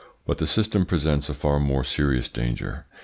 But the system presents a far more serious danger.